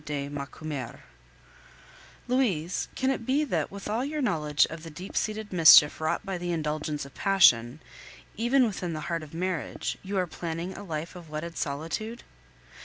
DE MACUMER Louise, can it be that, with all your knowledge of the deep seated mischief wrought by the indulgence of passion, even within the heart of marriage, you are planning a life of wedded solitude?